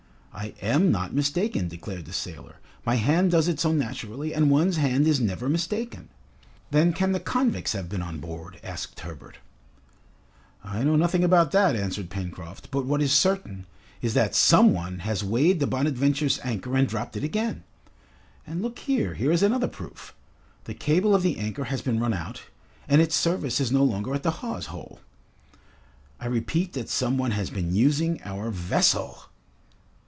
"I am not mistaken!" declared the sailor. "My hand does it so naturally, and one's hand is never mistaken!" "Then can the convicts have been on board?" asked Herbert. "I know nothing about that," answered Pencroft, "but what is certain, is that some one has weighed the 'Bonadventure's' anchor and dropped it again! And look here, here is another proof! The cable of the anchor has been run out, and its service is no longer at the hawse hole. I repeat that some one has been using our vessel!"